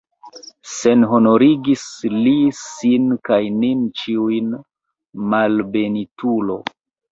Senhonorigis li sin kaj nin ĉiujn, malbenitulo!